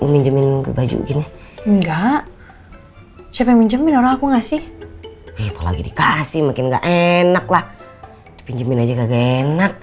minjemin baju ini enggak siapa minjemin orang aku ngasih lagi dikasih makin enak